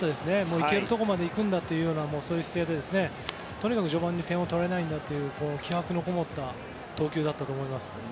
いけるところまでいくんだという姿勢でとにかく序盤に点を取られないんだという気迫のこもった投球だったと思います。